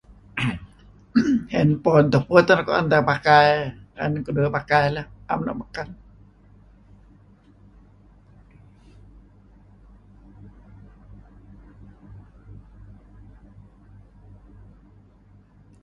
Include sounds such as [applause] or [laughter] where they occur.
[coughs] handfon tupu' teh tu'en keduih pakai, 'am luk beken,